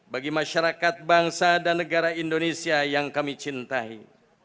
bagi masyarakat bangsa dan negara indonesia yang kami cintai